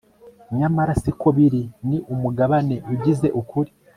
nyamara siko biri; ni umugabane ugize ukuri